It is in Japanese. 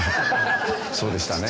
そうでしたね。